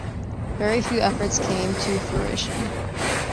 Very few efforts came to fruition.